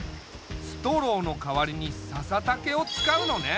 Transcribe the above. ストローの代わりにささ竹を使うのね。